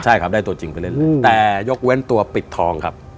ใช่ครับได้ตัวจริงไปเล่นเลยแต่ยกเว้นตัวปิดทองครับ